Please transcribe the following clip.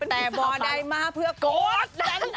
แต่บอร์ไดม่าเพื่อกด